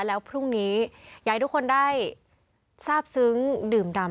แล้วพรุ่งนี้อยากให้ทุกคนได้ทราบซึ้งดื่มดำ